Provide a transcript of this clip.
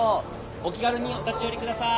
お気軽にお立ち寄り下さい。